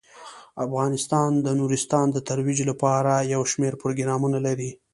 افغانستان د نورستان د ترویج لپاره یو شمیر پروګرامونه لري.